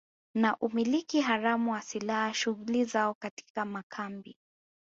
na umiliki haramu wa silaha shughuli zao katika makambi